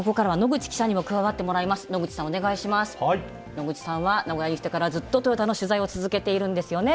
野口さんは名古屋に来てからずっとトヨタの取材を続けているんですよね。